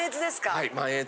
はい。